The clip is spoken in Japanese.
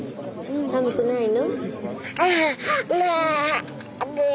寒くないの？